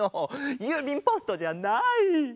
ゆうびんポストじゃない！